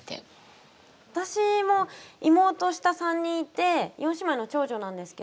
私は妹、下３人いて４姉妹の長女なんですけど。